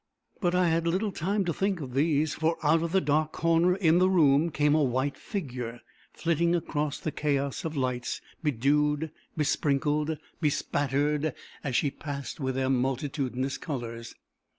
But I had little time to think of these; for out of the only dark corner in the room came a white figure, flitting across the chaos of lights, bedewed, besprinkled, bespattered, as she passed, with their multitudinous colours.